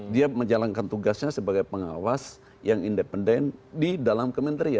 dia menjalankan tugasnya sebagai pengawas yang independen di dalam kementerian